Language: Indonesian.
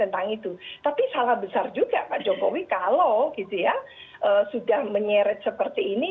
tapi salah besar juga pak jokowi kalau sudah menyeret seperti ini